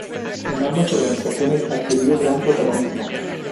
En ambas organizaciones adquirió gran protagonismo.